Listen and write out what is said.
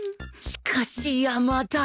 しかし山田